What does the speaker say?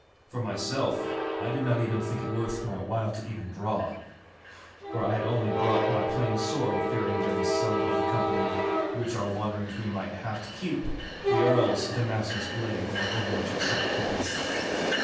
For myself I did not even think it worth my while even to draw—for I had only brought my plain sword, fearing that in some of the company which on our wanderings we might have to keep, the Earl's Damascus blade might overmuch excite cupidity.